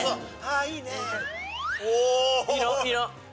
あいいね。